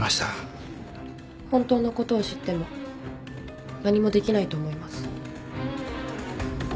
本当のことを知っても何もできないと思います。